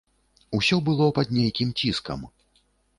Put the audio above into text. Усё было пад нейкім ціскам.